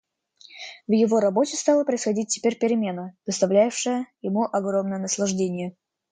В его работе стала происходить теперь перемена, доставлявшая ему огромное наслаждение.